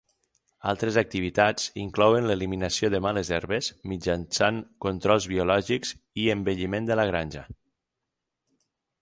Altres activitats inclouen l'eliminació de males herbes mitjançant controls biològics i embelliment de la granja.